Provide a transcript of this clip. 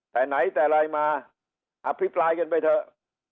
แต่ไหนแต่ไรมาอภิปรายกันไปเถอะ